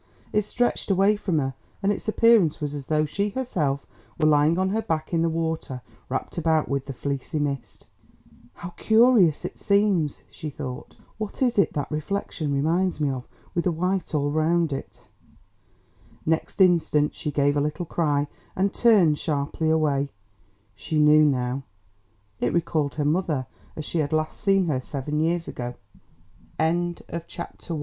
It stretched away from her, and its appearance was as though she herself were lying on her back in the water wrapped about with the fleecy mist. "How curious it seems," she thought; "what is it that reflection reminds me of with the white all round it?" Next instant she gave a little cry and turned sharply away. She knew now. It recalled her mother as she had last seen her seven years ago. CHAPTER II.